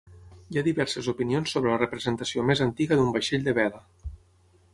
Hi ha diverses opinions sobre la representació més antiga d'un vaixell de vela.